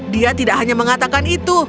dia tidak hanya mengatakan itu